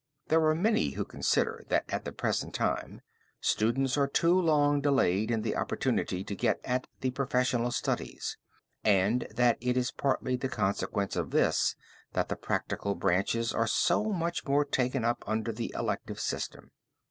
There are many who consider that at the present time students are too long delayed in the opportunity to get at the professional studies, and that it is partly the consequence of this that the practical branches are so much more taken up under the elective system.